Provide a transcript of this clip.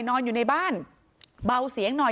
นอนอยู่ในบ้านเบาเสียงหน่อย